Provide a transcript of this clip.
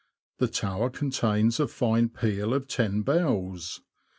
The tower contains a fine peal of ten bells.